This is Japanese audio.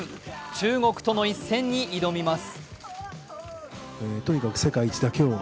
中国との一戦に挑みます。